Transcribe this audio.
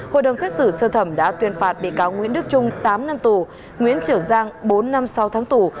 hội đồng xét xử sơ thẩm đã tuyên phạt bị cáo nguyễn đức trung tám năm tù nguyễn trở giang bốn năm sau tháng tù